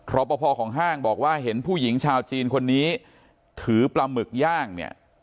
รอปภของห้างบอกว่าเห็นผู้หญิงชาวจีนคนนี้ถือปลาหมึกย่างเนี่ย